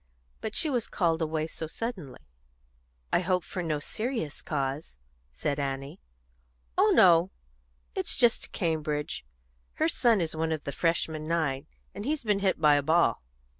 But she was called away so suddenly." "I hope for no serious cause," said Annie. "Oh no! It's just to Cambridge. Her son is one of the Freshman Nine, and he's been hit by a ball."